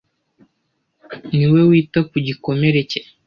Niwe wita ku gikomere cye.